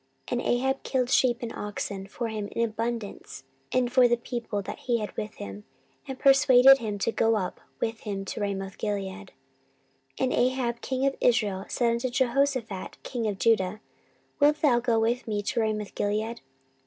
And Ahab killed sheep and oxen for him in abundance, and for the people that he had with him, and persuaded him to go up with him to Ramothgilead. 14:018:003 And Ahab king of Israel said unto Jehoshaphat king of Judah, Wilt thou go with me to Ramothgilead?